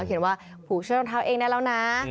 เขียนว่าผูกเชื้อรองเท้าเองได้แล้วนะ